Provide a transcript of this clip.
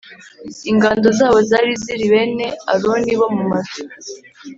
ingando zabo zari ziri bene Aroni bo mu mazu